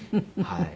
はい。